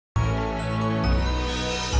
terus sepeda kamu bisa ketemu